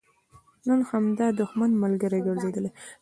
نن همدا دښمن ملګری ګرځېدلی.